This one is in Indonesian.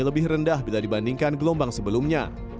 lebih rendah bila dibandingkan gelombang sebelumnya